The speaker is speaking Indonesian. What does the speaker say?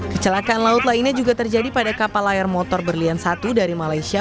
kecelakaan laut lainnya juga terjadi pada kapal layar motor berlian satu dari malaysia